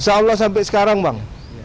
insya allah sampai sekarang bang